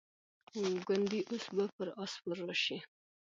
ګوندي اوس به پر آس سپور راشي.